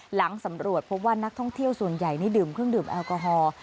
หลังสำรวจพบว่านักท่องเที่ยวส่วนใหญ่นี่ดื่มเครื่องดื่มแอลกอฮอล์